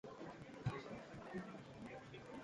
He is buried in Forest Grove Cemetery, Augusta, Maine.